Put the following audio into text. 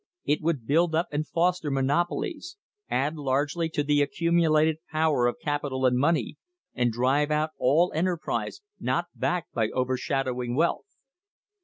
It would build up and foster monopolies, add largely to the accumulated power of capital and money, and drive out all enterprise not backed by overshadowing wealth.